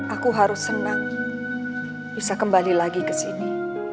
aku harus senang bisa kembali lagi kesini